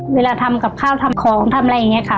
เวลาทำกับข้าวทำของทำอะไรอย่างนี้ค่ะ